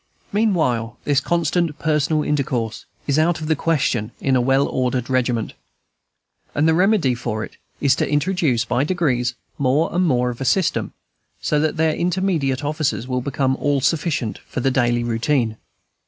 Meanwhile this constant personal intercourse is out of the question in a well ordered regiment; and the remedy for it is to introduce by degrees more and more of system, so that their immediate officers will become all sufficient for the daily routine.